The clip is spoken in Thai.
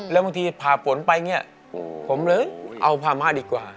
แล้วบางทีผ่าฝนไปเนี่ยผมเลยเอาพามาดีกว่า